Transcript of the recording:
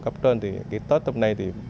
các trường thì tết hôm nay thì